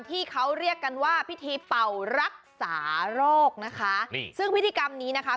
ที่เขาเรียกกันว่าพิธีเป่ารักษาโรคนะคะนี่ซึ่งพิธีกรรมนี้นะคะ